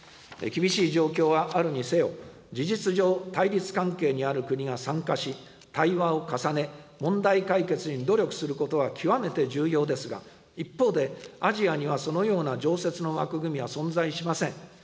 厳しい状況はあるにせよ、事実上、対立関係にある国が参加し、対話を重ね、問題解決に努力することは極めて重要ですが、一方で、アジアにはそのような常設の枠組みは存在しません。